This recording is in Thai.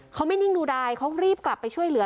เขาไม่นิ่งดูดายเขารีบกลับไปช่วยเหลือ